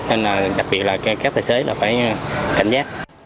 nên là đặc biệt là các tài xế là phải cảnh giác